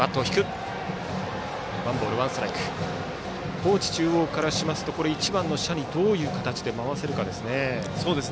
高知中央からしますと１番の謝にどういう形で回せるかです。